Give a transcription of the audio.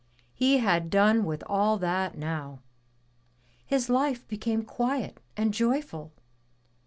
He had done with all that now. His life became quiet and joyful.